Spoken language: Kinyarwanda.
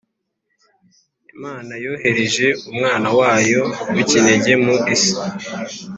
Imana yohereje Umwana wayo w ikinege mu isi